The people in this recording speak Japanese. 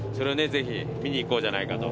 ぜひ見に行こうじゃないかと。